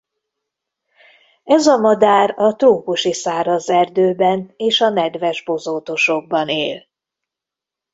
Ez a madár a trópusi száraz erdőben és a nedves bozótosokban él.